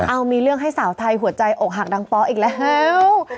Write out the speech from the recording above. เอามีเรื่องให้สาวไทยหัวใจอกหักดังป๊ะอีกแล้ว